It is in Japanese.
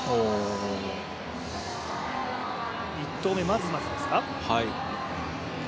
１投目、まずまずですか。